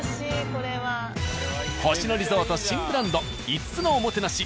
星野リゾート新ブランド５つのおもてなし。